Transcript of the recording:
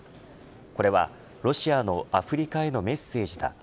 これは、ロシアのアフリカへのメッセージだ。